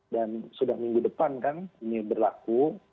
dan sudah minggu depan kan ini berlaku